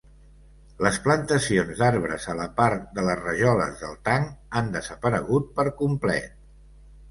Les plantacions d'arbres a la part de les rajoles del tanc han desaparegut per complet.